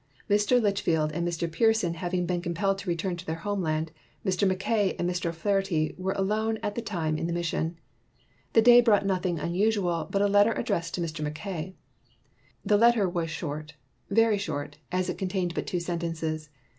Mr. Litchfield and Mr. Pearson, having been compelled to return to their homeland, Mr. Mackay and Mr. O 'Flaherty were alone at the time in the mission. The day brought nothing unusual but a letter addressed to Mr. Mackay. The letter was short — very short — as it contained but two sentences.